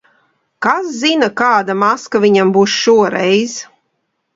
Kas zina, kāda maska viņam būs šoreiz?